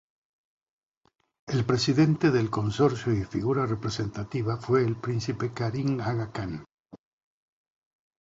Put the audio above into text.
El presidente del consorcio y figura representativa fue el príncipe Karim Aga Khan.